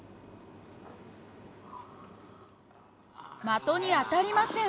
的に当たりません。